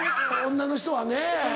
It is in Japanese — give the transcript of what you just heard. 女の人はね。